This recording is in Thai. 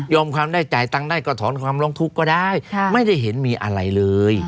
ความได้จ่ายตังค์ได้ก็ถอนความร้องทุกข์ก็ได้ไม่ได้เห็นมีอะไรเลย